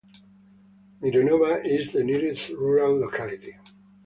Mironova is the nearest rural locality.